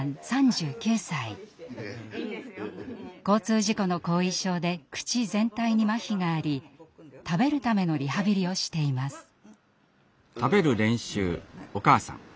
交通事故の後遺症で口全体にまひがあり食べるためのリハビリをしています。